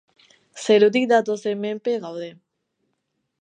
Zerutik datozenen menpe gaude.